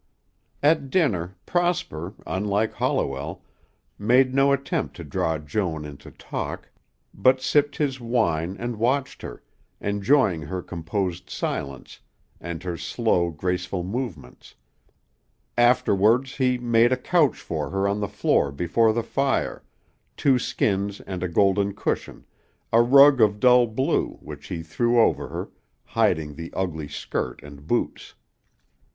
At dinner, Prosper, unlike Holliwell, made no attempt to draw Joan into talk, but sipped his wine and watched her, enjoying her composed silence and her slow, graceful movements. Afterwards he made a couch for her on the floor before the fire, two skins and a golden cushion, a rug of dull blue which he threw over her, hiding the ugly skirt and boots.